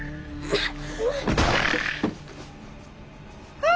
あっ！